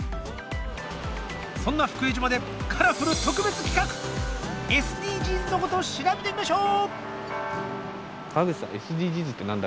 そんな福江島でカラフル特別企画ＳＤＧｓのこと調べてみましょう。